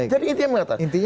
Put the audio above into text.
jadi intinya mengatakan